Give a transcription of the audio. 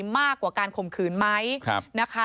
มากกว่าการข่มขืนไหมนะคะ